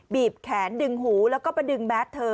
บีบแขนดึงหูแล้วก็ไปดึงแมสเธอ